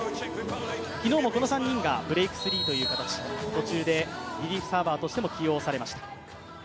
昨日もこの３人がブレイクスリーという形、途中でリリーフサーバーとしても起用されました。